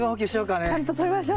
ちゃんととりましょう。